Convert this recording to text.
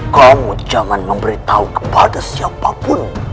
kamu jangan memberitahu kepada siapapun